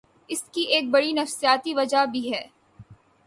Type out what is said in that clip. اس کی ایک بڑی نفسیاتی وجہ بھی ہے۔